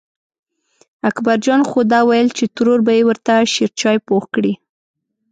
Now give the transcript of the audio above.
اکبر جان خو دا وېل چې ترور به یې ورته شېرچای پوخ کړي.